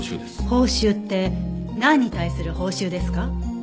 報酬って何に対する報酬ですか？